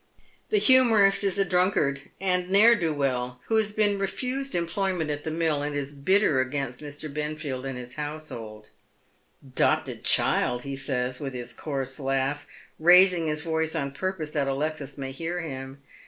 The humorist is a drunkard and ne'er do well, who has been refused employment at the mill, and is bitter against Mr. Benfield and his household. "' Dopted child !" he says, with his coarse laugh, raising his Toice on purpose that Alexis may hear him.